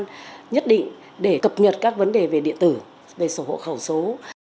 thời gian nhất định để cập nhật các vấn đề về điện tử về sổ hộ khẩu số